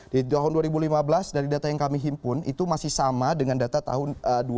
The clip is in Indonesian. di tahun dua ribu lima belas dari data yang kami himpun itu masih sama dengan data tahun dua ribu enam belas